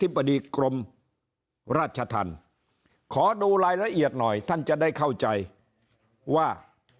บดีกรมราชธรรมขอดูรายละเอียดหน่อยท่านจะได้เข้าใจว่า